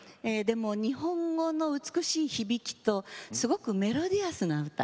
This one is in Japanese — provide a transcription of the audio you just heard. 日本語の美しい響きとすごくメロディアスな歌。